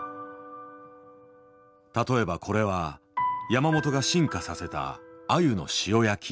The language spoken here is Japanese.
例えばこれは山本が進化させたアユの塩焼き。